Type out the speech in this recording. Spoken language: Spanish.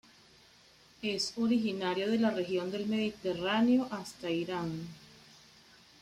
Es originario de la región del Mediterráneo hasta Irán.